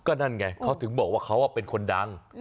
ก็นั่นไงเขาถึงบอกว่าเขาเป็นคนดัง